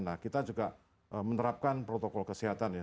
nah kita juga menerapkan protokol kesehatan ya